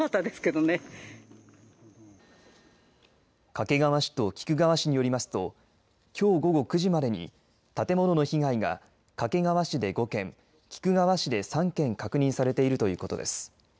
掛川市と菊川市によりますときょう午後９時までに建物の被害が掛川市で５件菊川市で３件確認されているということです。